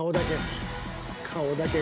顔だけ。